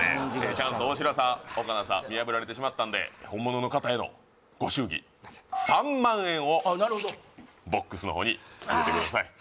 チャンス大城さん岡野さん見破られてしまったんで本物の方へのご祝儀３万円をボックスの方に入れてください